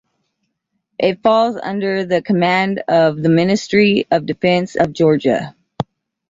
It falls under the command of the Ministry of Defense of Georgia.